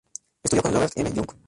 Estudió con Robert M. Young.